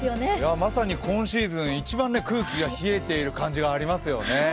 まさに今シーズン一番空気が冷えている感じありますよね。